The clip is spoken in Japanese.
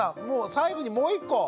最後にもう１個。